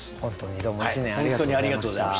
どうも１年ありがとうございました。